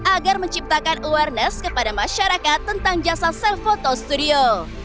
agar menciptakan awareness kepada masyarakat tentang jasa self photo studio